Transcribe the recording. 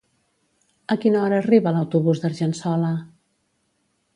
A quina hora arriba l'autobús d'Argençola?